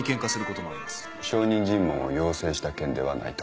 証人尋問を要請した件ではないと。